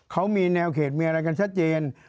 เขามีแนวเขตมีอะไรกันชัดเจน